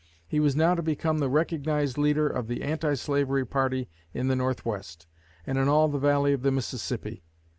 He was now to become the recognized leader of the anti slavery party in the Northwest, and in all the Valley of the Mississippi.